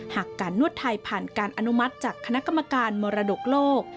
หากการนวดไทยผ่านการอนุมัติจากคณะกรรมการมรดกโลก